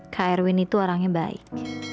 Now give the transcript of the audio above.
kak erwin itu orangnya baik